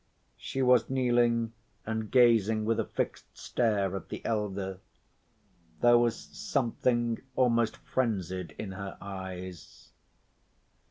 She was kneeling and gazing with a fixed stare at the elder; there was something almost frenzied in her eyes.